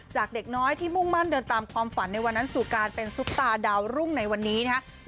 จากเด็กน้อยที่มุ่งมั่นเดินตามความฝันในวันนั้นสู่การเป็นซุปตาดาวรุ่งในวันนี้นะครับ